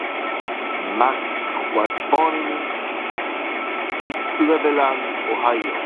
Mack was born in Cleveland, Ohio.